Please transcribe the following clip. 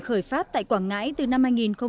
khởi phát tại quảng ngãi từ năm hai nghìn một mươi